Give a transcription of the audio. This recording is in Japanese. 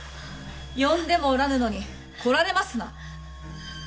呼んでもおらぬのに来られますな。